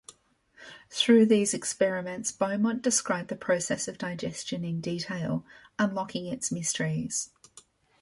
Through these experiments, Beaumont described the process of digestion in detail, unlocking its mysteries.